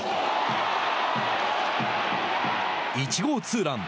１号ツーラン。